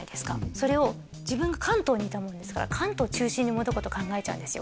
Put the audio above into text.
それを自分が関東にいたもんですから関東中心に物事考えちゃうんですよ